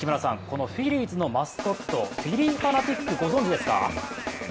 このフィリーズのマスコット、フィリー・ファナティックご存じですか？